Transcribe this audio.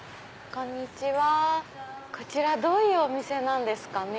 こんにちはこちらどういうお店なんですかね？